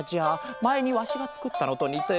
まえにわしがつくったのとにてる。